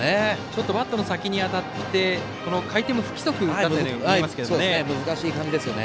ちょっとバットの先に当たってこの回転も不規則に見えますけどね。